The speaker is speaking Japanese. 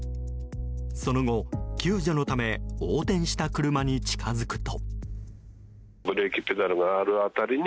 その後、救助のため横転した車に近づくと。